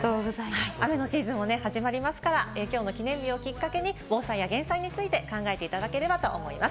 雨のシーズンが始まりますから、きょうの記念日をきっかけに防災などについて考えていただければと思います。